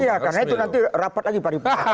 iya karena itu nanti rapat lagi paripurna